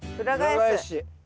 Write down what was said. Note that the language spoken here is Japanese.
裏返し。